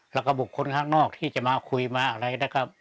แล้วก็บุคคลข้างนอกที่จะมาคุยมาอะไรนะครับ